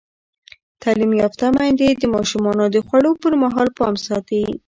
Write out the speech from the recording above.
تعلیم یافته میندې د ماشومانو د خوړو پر مهال پام ساتي.